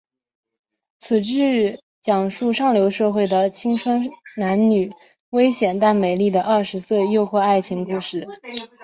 此剧讲述上流社会的青春男女危险但美丽的二十岁诱惑爱情故事。